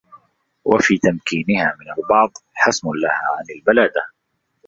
وَفِي تَمْكِينِهَا مِنْ الْبَعْضِ حَسْمٌ لَهَا عَنْ الْبَلَادَةِ